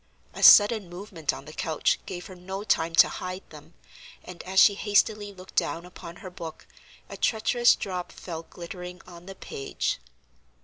A sudden movement on the couch gave her no time to hide them, and as she hastily looked down upon her book a treacherous drop fell glittering on the page.